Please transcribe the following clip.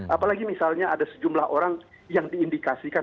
apalagi misalnya ada sejumlah orang yang diindikasikan